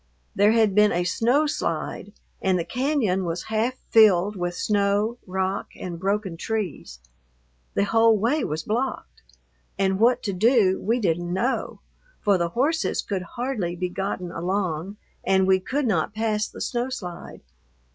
There had been a snow slide and the cañon was half filled with snow, rock, and broken trees. The whole way was blocked, and what to do we didn't know, for the horses could hardly be gotten along and we could not pass the snow slide.